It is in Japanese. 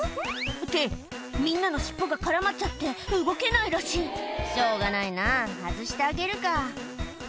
ってみんなの尻尾が絡まっちゃって動けないらしい「しょうがないな外してあげるか」